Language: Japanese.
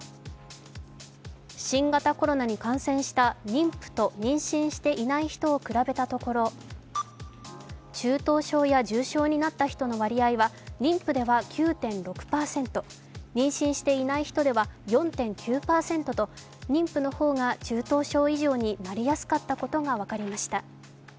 新型コロナに感染した妊婦と妊娠していない人を比べたところ中等症や重症になった人の割合は妊婦では９．６％、妊娠していない人では４．９％と妊婦の方が中等症以上になりやすかったことが分かりました。